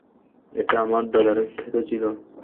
এটা আমার দাদার ক্ষেত ছিল।